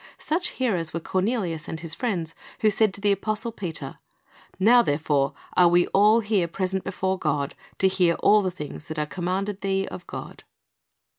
Such hearers were Cornelius and his friends, who said to the apostle Peter, " Now therefore are we all here present before God, to hear all things that are commanded thee of God."